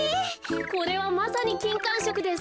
これはまさにきんかんしょくです。